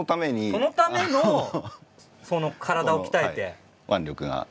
そのための体を鍛えて。